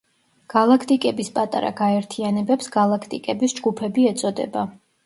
გალაქტიკების პატარა გაერთიანებებს გალაქტიკების ჯგუფები ეწოდება.